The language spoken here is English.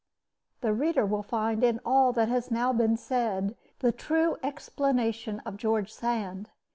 The reader will find in all that has now been said the true explanation of George Sand.